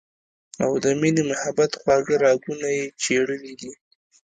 او د مينې محبت خواږۀ راګونه ئې چېړلي دي